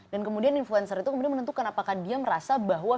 dan kemudian influencer itu menentukan apakah dia merasa bahwa